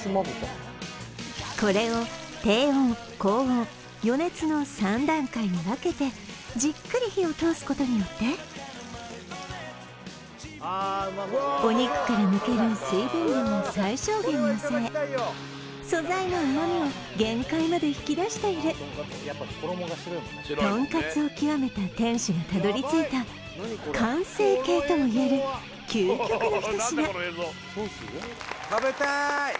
これを低温高温余熱の三段階に分けてじっくり火を通すことによってお肉から抜ける水分量を最小限に抑え素材の旨みを限界まで引き出しているとんかつを極めた店主がたどりついた完成形とも言える究極のひと品食べたーい